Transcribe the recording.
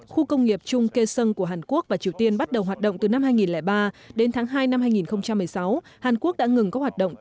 khu công nghiệp trung kê sơn của hàn quốc và triều tiên